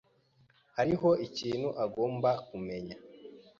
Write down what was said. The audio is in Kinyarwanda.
Hariho ikintu agomba kumenya.